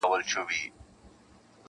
دپښتون قام به ژوندی وي -